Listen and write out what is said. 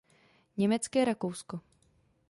Německé Rakousko.